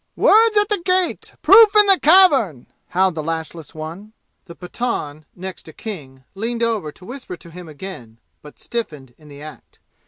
"Words at the gate proof in the cavern!" howled the lashless one. The Pathan next King leaned over to whisper to him again, but stiffened in the act.